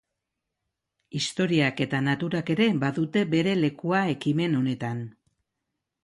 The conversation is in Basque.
Historiak eta naturak ere badute bere lekua ekimen honetan.